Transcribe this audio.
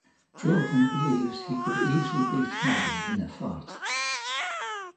Jordan believes he could easily beat Maddy in a fight.